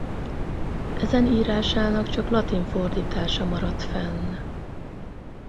Ezen írásának csak latin fordítása maradt fenn.